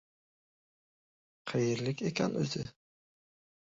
— Qayerlik ekan o‘zi?